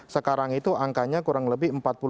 sekarang itu angkanya kurang lebih empat puluh lima